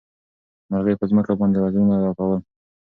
مرغۍ په ځمکه باندې وزرونه رپول.